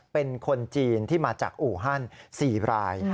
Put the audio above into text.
เป็นคนจีนที่มาจากอู่ฮัน๔ราย